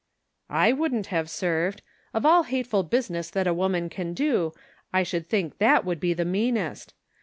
'* I wouldn't have served ; of all hateful business that a woman can do, I should think that would be the meanest.